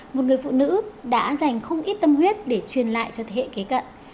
một người phụ nữ đã dành không ít tâm huyết để truyền lại cho thế hệ kế cận